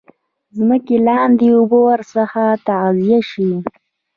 ځمکې لاندي اوبه ورڅخه تغذیه شي.